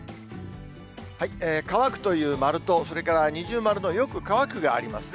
乾くという丸と、それから二重丸のよく乾くがありますね。